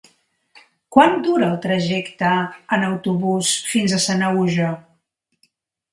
Quant dura el trajecte en autobús fins a Sanaüja?